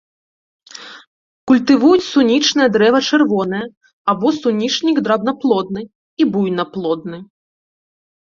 Культывуюць сунічнае дрэва чырвонае, або сунічнік драбнаплодны, і буйнаплодны.